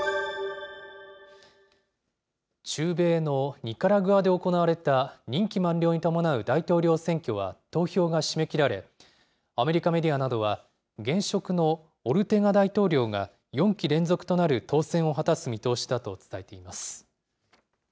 中米のニカラグアで行われた任期満了に伴う大統領選挙は、投票が締め切られ、アメリカメディアなどは、現職のオルテガ大統領が４期連続となる当選を果たす見通しだと伝えています。